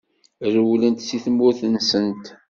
Rewlent seg tmurt-nsent.